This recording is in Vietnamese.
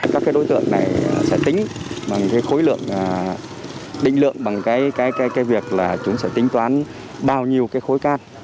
các đối tượng này sẽ tính bằng cái khối lượng định lượng bằng việc là chúng sẽ tính toán bao nhiêu cái khối cát